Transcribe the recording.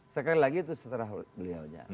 sekali lagi itu seterah beliau